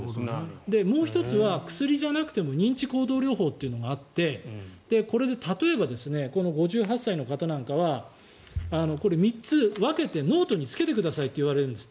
もう１つは薬じゃなくても認知行動療法というのがあってこれで例えば５８歳の方なんかは３つ分けてノートにつけてくださいっていうんですって。